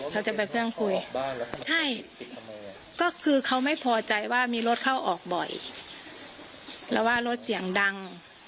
เขาจะไปเครื่องคุยใช่ก็คือเขาไม่พอใจว่ามีรถเข้าออกบ่อยแล้วว่ารถเสียงดัง